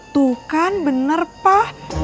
tuh kan benar pak